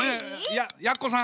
ややっこさん。